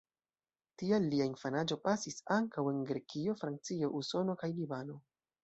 Tial lia infanaĝo pasis ankaŭ en Grekio, Francio, Usono kaj Libano.